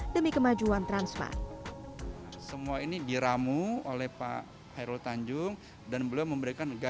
demi kemajuan transmar semua ini diramu oleh pak hairul tanjung dan beliau memperkenalkan perusahaan